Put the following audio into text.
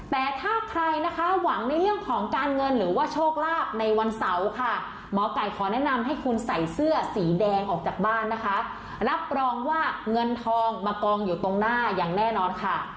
แต่ถ้าใครนะคะหวังในเรื่องของการเงินหรือว่าโชคลาภในวันเสาร์ค่ะหมอไก่ขอแนะนำให้คุณใส่เสื้อสีแดงออกจากบ้านนะคะรับรองว่าเงินทองมากองอยู่ตรงหน้าอย่างแน่นอนค่ะ